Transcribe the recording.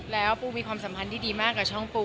แล้วปูมีความสัมพันธ์ที่ดีมากกับช่องปู